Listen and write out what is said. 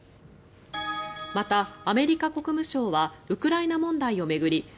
また、アメリカ国務省はウクライナ問題を巡り